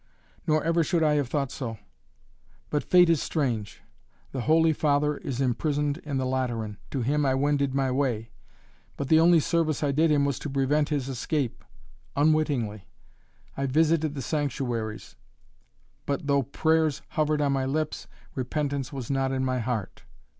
"Nor ever should I have thought so. But fate is strange. The Holy Father is imprisoned in the Lateran. To him I wended my way. But the only service I did him was to prevent his escape unwittingly. I visited the sanctuaries. But though prayers hovered on my lips, repentance was not in my heart.